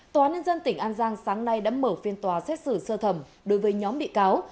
tòa án nhân dân tỉnh an giang sáng nay đã mở phiên tòa xét xử sơ thẩm đối với nhóm bị cáo